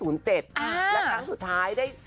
และครั้งสุดท้ายได้๔